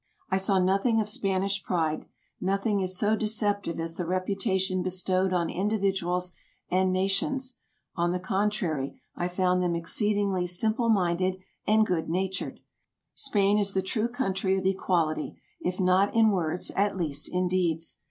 I saw nothing of Spanish pride ; nothing is so deceptive as the reputation bestowed on individuals and nations. On the contrary, I found them exceedingly simple minded and good natured ; Spain is the true country of equality, if not in words, at least in deeds.